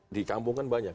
di kampung kan banyak